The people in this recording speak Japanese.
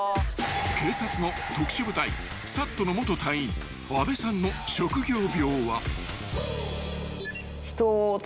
［警察の特殊部隊ＳＡＴの元隊員阿部さんの職業病は］